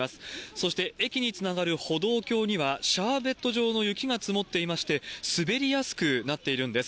そして、駅につながる歩道橋には、シャーベット状の雪が積もっていまして、滑りやすくなっているんです。